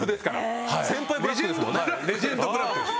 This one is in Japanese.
レジェンドブラックです。